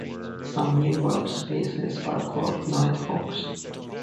Some New World species are called nighthawks.